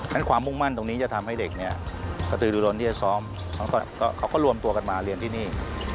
ความมุ่งมั่นตรงนี้จะทำให้เด็กเนี่ยกระตือดูรนที่จะซ้อมเขาก็รวมตัวกันมาเรียนที่นี่